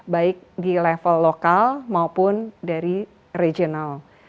baik di level lokal maupun dari regional